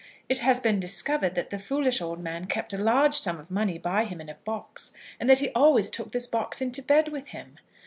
It has been discovered that the foolish old man kept a large sum of money by him in a box, and that he always took this box into bed with him.